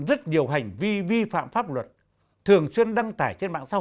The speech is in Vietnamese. rất nhiều hành vi vi phạm pháp luật thường xuyên đăng tải trên mạng quốc tế